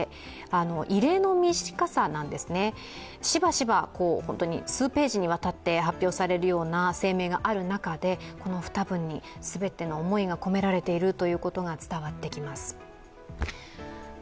しばしば、数ページにわたって発表されるような声明がある中、この２文に全ての思いが込められていることが伝わってきます。